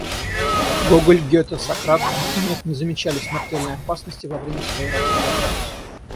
Гоголь, Гете, Сократ, Архимед не замечали смертельной опасности во время своей работы.